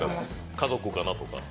家族かなと。